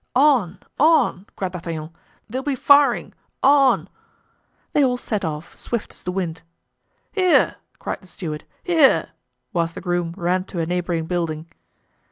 "On! on!" cried D'Artagnan; "there'll be firing! on!" They all set off, swift as the wind. "Here!" cried the steward, "here!" whilst the groom ran to a neighboring building.